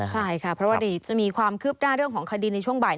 ใช่ค่ะเพราะว่าเดี๋ยวจะมีความคืบหน้าเรื่องของคดีในช่วงบ่าย